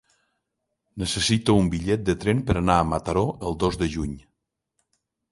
Necessito un bitllet de tren per anar a Mataró el dos de juny.